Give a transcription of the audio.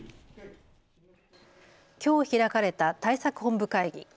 きょう開かれた対策本部会議。